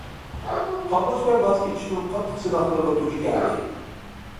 تاللاش ۋە ۋاز كېچىشنىڭ قاتتىق سىناقلىرىغا دۇچ كەلدى.